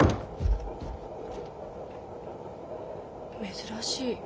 珍しい。